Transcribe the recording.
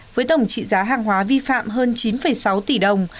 với tổng trị giá hàng hóa vi phạm hơn chín sáu tỷ đồng